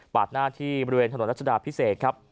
หน้าที่บริเวณถนนรัชดาพิเศษครับ